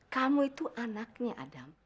kamu itu anaknya adam